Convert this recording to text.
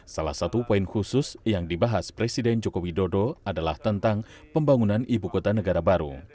salah satu poin khusus yang dibahas presiden joko widodo adalah tentang pembangunan ibu kota negara baru